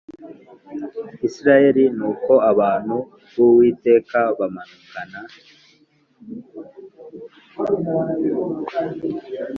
Isirayeli Nuko abantu b Uwiteka bamanukana